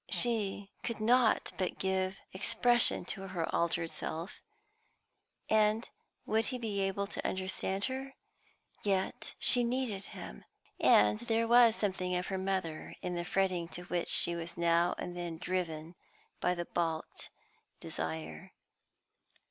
She could not but give expression to her altered self; and would he be able to understand her? Yet, she needed him; and there was something of her mother in the fretting to which she was now and then driven by the balked desire.